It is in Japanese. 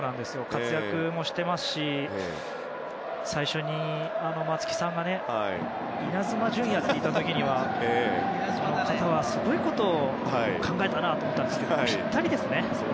活躍してますし最初に、松木さんがイナズマ純也って言った時にはすごいことを考えたなと思ったんですがピッタリですね。